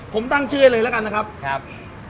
ผมตั้งชื่อให้เลยแล้วกันนะครับ